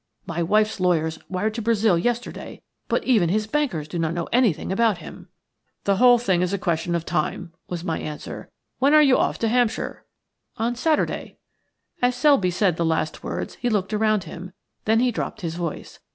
My wife's lawyers wired to Brazil yesterday, but even his bankers do not know anything about him." "The whole thing is a question of time," was my answer. "When are you off to Hampshire?" "On Saturday." As Selby said the last words he looked around him, then he dropped his voice.